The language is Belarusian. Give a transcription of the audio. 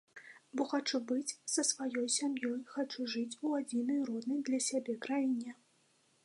Бо хачу быць са сваёй сям'ёй, хачу жыць у адзінай роднай для сябе краіне.